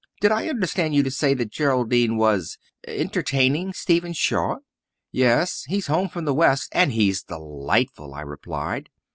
"Did I understand you to say that Geraldine was entertaining Stephen Shaw?" "Yes. He's home from the west and he's delightful," I replied.